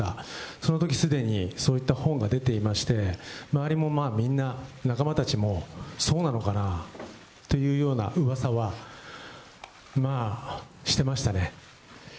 そのとき、すでにそういった本が出ていまして、周りもみんな仲間たちも、そうなのかなというようなうわさは、まあ、してましたね。